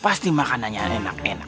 pasti makanannya enak enak